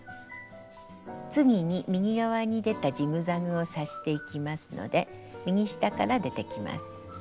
次に右側に出たジグザグを刺していきますので右下から出てきます。